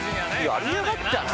やりやがったな！